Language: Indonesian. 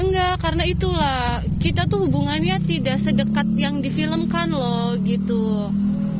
enggak karena itulah kita tuh hubungannya tidak sedekat yang difilmkan loh gitu